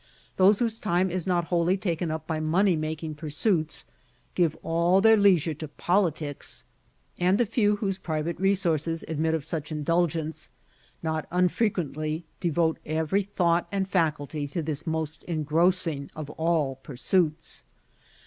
Those whose time is not wholly taken up by money making pursuits, give all their leisure to politics; and the few whose private resources admit of such indulgence, not unfrequently devote every thought and faculty to this most engrossing of all pursuits.